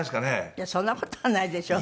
いやそんな事はないでしょう。